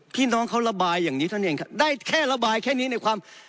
พี่น้องเขาระบายอย่างนี้เท่านั้นเองครับได้แค่ระบายแค่นี้ในความ